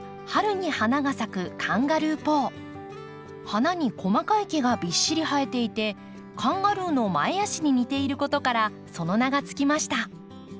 花に細かい毛がびっしり生えていてカンガルーの前足に似ていることからその名が付きました。